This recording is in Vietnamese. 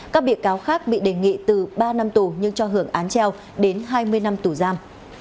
các bị cáo khác bị đề nghị từ ba năm tù nhưng cho hưởng án treo đến hai mươi năm tù giam